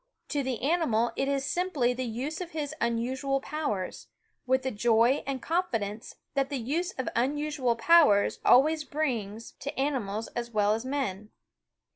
To the animal it is simply the use of his unusual powers, with the joy and confidence that the use of unusual powers always brings, to animals as well as men.